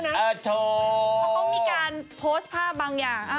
นะต้องมีการโพสผู้หมาบางอย่าง